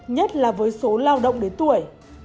nhất là với số lao động đến tuổi